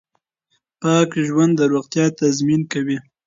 پاک ژوند د روغتیا تضمین کوي.